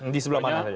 di sebelah mana saja